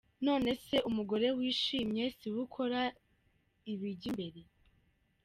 None se umugore wishimye siwe ukora ibijya imbere?.